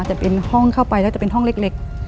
จะเป็นห้องเข้าไปแล้วจะเป็นห้องเล็ก